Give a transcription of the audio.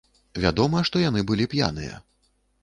Вядома, што яны былі п'яныя.